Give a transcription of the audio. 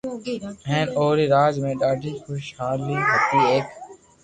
ھين اوري راج ۾ ڌاڌي خوݾالي ھتي ايڪ